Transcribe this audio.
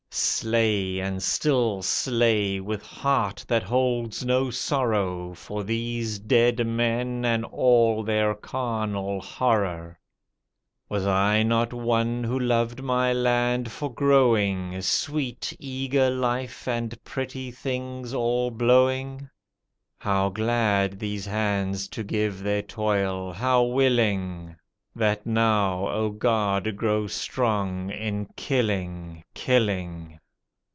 Slay and still slay, with heart that holds no sorrow For these dead men and all their carnal horror. Was I not one who loved my land for growing Sweet, eager life, and pretty things all blowing? How glad these hands to give their toil, how willing. That now, O God ! grow strong in killing, killing.